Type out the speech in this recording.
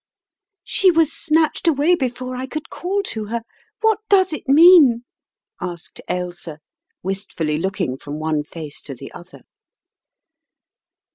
"She was snatched away before I could call to her. What does it mean? " asked Ailsa, wistfully looking from one face to the other.